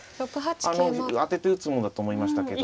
あの当てて打つものだと思いましたけど。